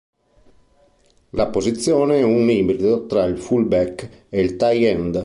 La posizione è un ibrido tra il fullback e il tight end.